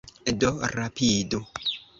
Do rapidu!